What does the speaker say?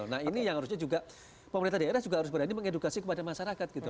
nah ini yang harusnya juga pemerintah daerah juga harus berani mengedukasi kepada masyarakat gitu